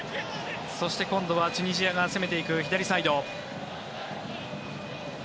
そして今度はチュニジアが攻めていく。